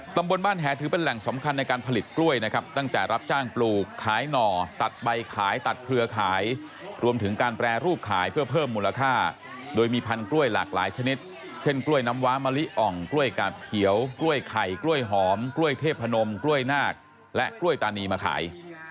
ตำบลบ้านแหถือเป็นแหล่งสำคัญในการผลิตกล้วยนะครับตั้งแต่รับจ้างปลูกขายหน่อตัดใบขายตัดเครือขายรวมถึงการแปรรูปขายเพื่อเพิ่มมูลค่าโดยมีพันกล้วยหลากหลายชนิดเช่นกล้วยน้ำว้ามะลิอ่องกล้วยกาบเขียวกล้วยไข่กล้วยหอมกล้วยเทพนมกล้วยนาคและกล้วยตานีมาขาย